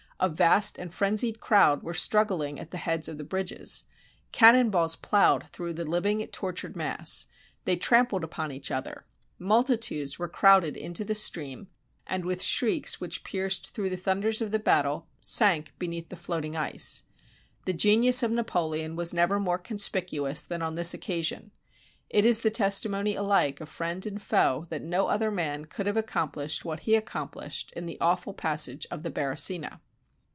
A vast and frenzied crowd were struggling at the heads of the bridges. Cannon balls ploughed through the liv ing, tortured mass. They trampled upon each other. Multitudes were crowded into the stream, and with shrieks which pierced through the thunders of the battle, sank beneath the floating ice. The genius of Napoleon was never more conspicuous than on this occasion. It is the testimony alike of friend and foe, that no other man could have accomplished what he accomplished in the awful passage of the Beresina.